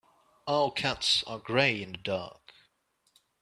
All cats are grey in the dark.